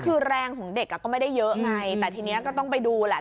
คือแรงของเด็กก็ไม่ได้เยอะไงแต่ทีนี้ก็ต้องไปดูแหละ